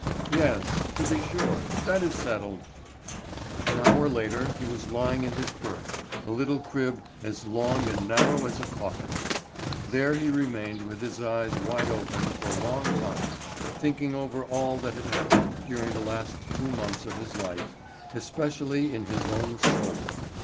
"Yes, to be sure; that is settled." An hour later he was lying in his berth—a little crib as long and narrow as a coffin. There he remained with his eyes wide open for a long time, thinking over all that had happened during the last two months of his life, especially in his own soul.